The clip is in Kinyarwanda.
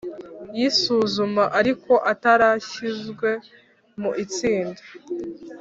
y’isuzuma ariko atarashyizwe mu itsinda